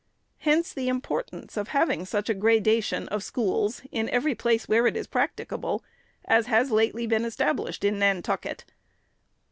Hence the importance of having such a gradation of schools, in every place where it is practicable, as has been lately established in Nantucket.